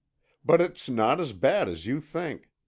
But it's not as bad as you think.